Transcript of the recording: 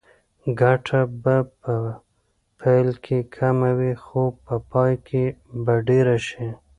ګټه به په پیل کې کمه وي خو په پای کې به ډېره شي.